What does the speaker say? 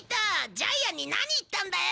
ジャイアンに何言ったんだよ！？